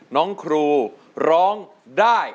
น้องครูร้องได้